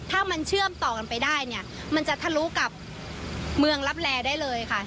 ถ้ามันเชื่อมต่อกันไปได้เนี่ยมันจะทะลุกับเมืองลับแลได้เลยค่ะ